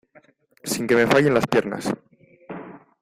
sin que me fallen las piernas.